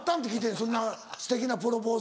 そんなすてきなプロポーズ。